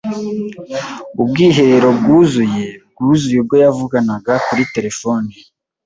Ubwiherero bwuzuye bwuzuye ubwo yavuganaga kuri terefone.